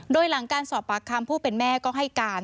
โดยหลังการสอบปากคำผู้เป็นแม่ก็ให้การ